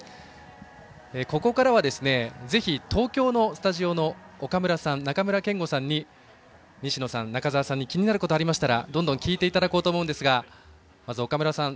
ここからはぜひ東京のスタジオの岡村さん、中村憲剛さんから西野さん、中澤さんに気になることがありましたら聞いていただこうと思いますがまず、岡村さん